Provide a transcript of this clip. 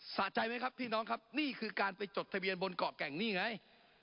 สะใจไหมครับพี่น้องครับนี่คือการไปจดทะเบียนบนเกาะแก่งนี่ไง